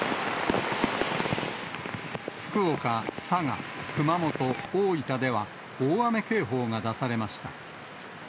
福岡、佐賀、熊本、大分では、大雨警報が出されました。